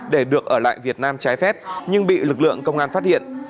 để được ở lại việt nam trái phép nhưng bị lực lượng công an phát hiện